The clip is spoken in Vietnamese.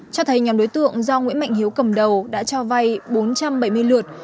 cho thấy nhóm đối tượng do nguyễn mạnh hiếu cầm đầu đã cho vay bốn trăm bảy mươi lượt